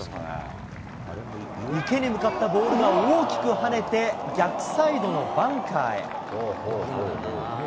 池に向かったボールが大きく跳ねて、逆サイドのバンカーへ。